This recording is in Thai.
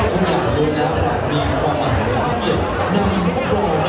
ทุกอย่างโดยรักษณะมีความรับเกียรติในพวกเรา